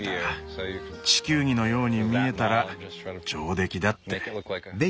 地球儀のように見えたら上出来だって。